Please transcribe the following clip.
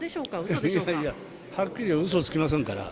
いやいや、はっきりうそつきませんから。